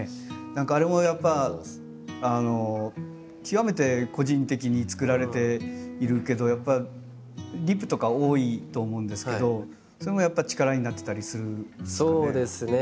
何かあれもやっぱ極めて個人的に作られているけどやっぱリプとか多いと思うんですけどそれもやっぱ力になってたりするんですかね？